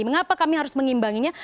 mengapa kami harus mengimbanginya